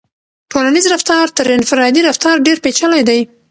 ټولنیز رفتار تر انفرادي رفتار ډېر پیچلی دی.